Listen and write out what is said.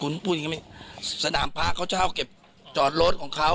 คุณพูดยังไงสนามภาคเขาเจ้าเก็บจอดรถของเขา